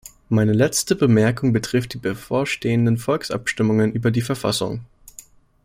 Meine letzte Bemerkung betrifft die bevorstehenden Volksabstimmungen über die Verfassung.